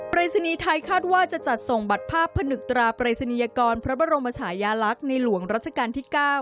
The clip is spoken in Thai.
ปริศนีย์ไทยคาดว่าจะจัดส่งบัตรภาพผนึกตราปรายศนียกรพระบรมชายาลักษณ์ในหลวงรัชกาลที่๙